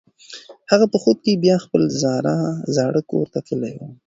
هغه په خوب کې بیا خپل زاړه کور ته تللې وه.